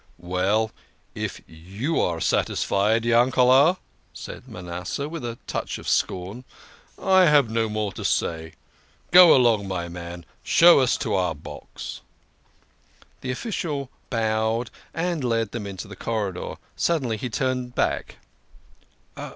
" Well, if you're satisfied, Yanked," said Manasseh, with a touch of scorn, "I have no more to say. Go along, my man, show us to our box." The official bowed and led them into the corridor. Sud denly he turned back.